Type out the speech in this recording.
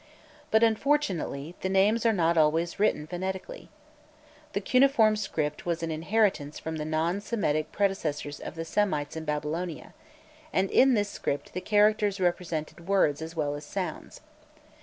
But, unfortunately, the names are not always written phonetically. The cuneiform script was an inheritance from the non Semitic predecessors of the Semites in Babylonia, and in this script the characters represented words as well as sounds.